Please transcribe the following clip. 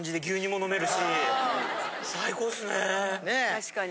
確かに。